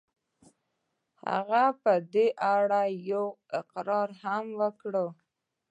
هغه په دې اړه يو اقرار هم وکړ.